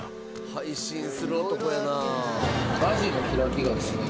配信する男やな。